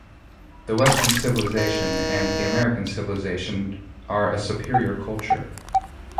The Western civilization and the American civilization are a superior culture.